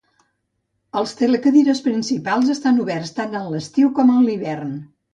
Els telecadires principals estan oberts tant en estiu com en hivern.